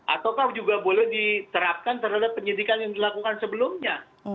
ataukah juga boleh diterapkan terhadap penyidikan yang dilakukan sebelumnya